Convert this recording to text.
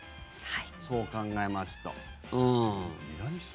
そう考えますと。